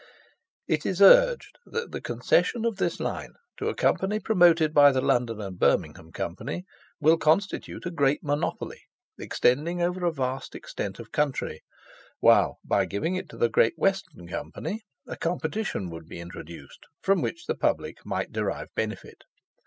It is urged, that the concession of this line to a Company promoted by the London and Birmingham Company, will constitute a great monopoly, extending over a vast extent of country, while, by giving it to the Great Western Company, a competition would be introduced, from which the Public might derive benefit.